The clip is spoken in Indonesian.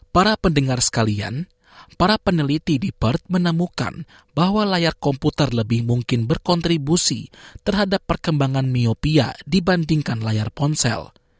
para pendengar sekalian para peneliti di perth menemukan bahwa layar komputer lebih mungkin berkontribusi terhadap perkembangan miopia dibandingkan layar ponsel